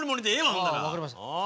わかりました。